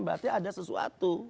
berarti ada sesuatu